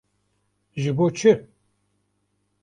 Ji bo çi?